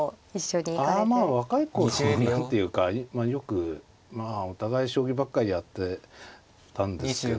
若い頃何ていうかよくお互い将棋ばっかりやってたんですけど